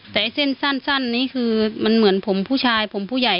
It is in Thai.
แต่ไอ้เส้นสั้นนี้คือมันเหมือนผมผู้ชายผมผู้ใหญ่